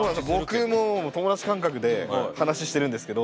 僕も友だち感覚で話してるんですけど。